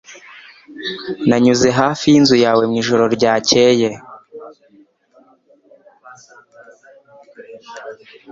Nanyuze hafi yinzu yawe mwijoro ryakeye